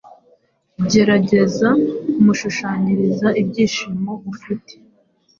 Gerageza kumushushanyiriza ibyishimo ufite